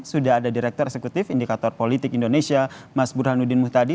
sudah ada direktur eksekutif indikator politik indonesia mas burhanuddin muhtadi